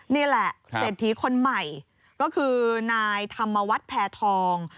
นี่แหละเศรษฐีคนใหม่ก็คือนายธรรมวัฒน์แพทอง